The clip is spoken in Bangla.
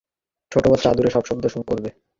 ছোট বাচ্চা আদুরে সব শব্দ করবে!